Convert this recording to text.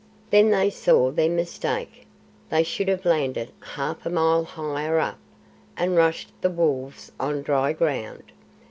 Then they saw their mistake. They should have landed half a mile higher up, and rushed the wolves on dry ground.